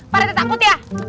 pak rete takut ya